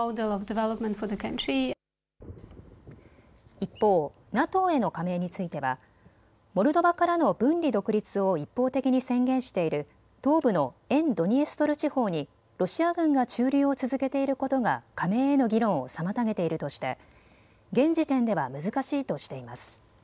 一方、ＮＡＴＯへの加盟についてはモルドバからの分離独立を一方的に宣言している東部の沿ドニエストル地方にロシア軍が駐留を続けていることが加盟への議論を妨げているとして現時点では難しいとしています。